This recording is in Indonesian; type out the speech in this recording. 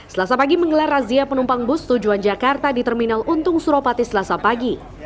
selasa pagi menggelar razia penumpang bus tujuan jakarta di terminal untung suropati selasa pagi